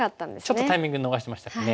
ちょっとタイミング逃しましたかね。